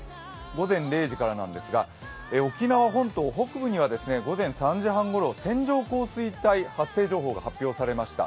午前０時からなんですが、沖縄本島本部には午前３時半ごろ、線状降水帯発生情報が発表されした。